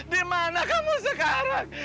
di mana kamu sekarang